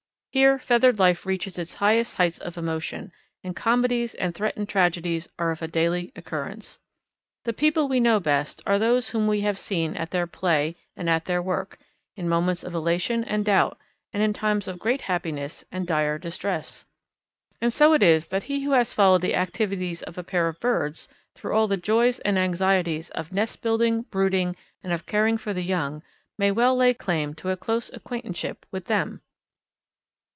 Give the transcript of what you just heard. Here feathered life reaches its greatest heights of emotion, and comedies and threatened tragedies are of daily occurrence. The people we know best are those whom we have seen at their play and at their work, in moments of elation and doubt, and in times of great happiness and dire distress. And so it is that he who has followed the activities of a pair of birds through all the joys and anxieties of nest building, brooding, and of caring for the young, may well lay claim to a close acquaintanceship with them.